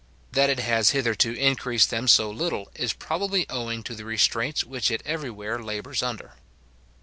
That it has hitherto increased them so little, is probably owing to the restraints which it everywhere labours under.